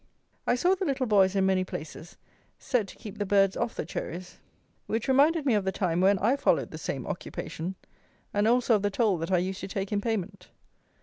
I saw the little boys, in many places, set to keep the birds off the cherries, which reminded me of the time when I followed the same occupation, and also of the toll that I used to take in payment.